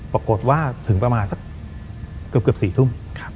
ปรากฏว่าถึงประมาณสักเกือบ๔ทุ่ม